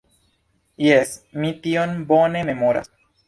Jes, mi tion bone memoras.